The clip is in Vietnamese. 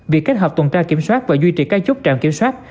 việc kết hợp tuần tra kiểm soát và duy trì các chốt trạm kiểm soát